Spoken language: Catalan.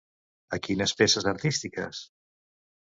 A quines peces artístiques?